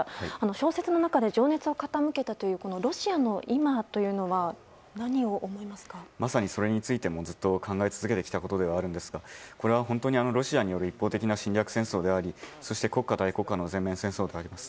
小説の中で情熱を傾けたというロシアの今というのはまさにそれについてもずっと考え続けてきたことではあるんですがこれは本当にロシアによる一方的な侵略戦争であり国家対大国家の全面戦争であります。